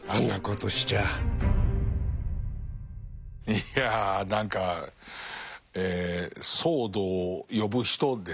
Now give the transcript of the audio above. いや何かえ騒動を呼ぶ人ですね。